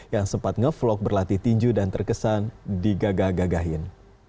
yang sempat ngevlog berlatih tinju dan terkesan digagah gagahin